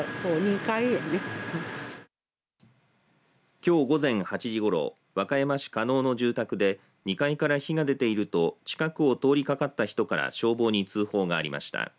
きょう午前８時ごろ和歌山市加納の住宅で２階から火が出ていると近くを通りかかった人から消防に通報がありました。